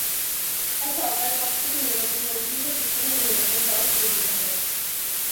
তাই সরকারের পক্ষ থেকে নির্বাচন কমিশনকে সুষ্ঠুভাবে নির্বাচন করার সুযোগ দিতে হবে।